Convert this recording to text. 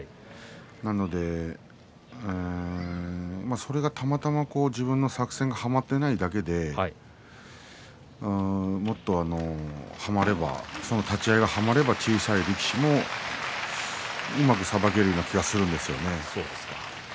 なのでそれがたまたま自分の作戦にはまっていないだけでもっと立ち合いがはまれば小さい力士もうまくさばけるような気がするんですよね。